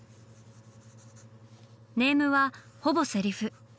ネームはほぼセリフ。